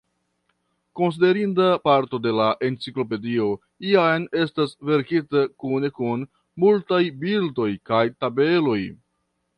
Konsiderinda parto de la enciklopedio jam estas verkita kune kun multaj bildoj kaj tabeloj.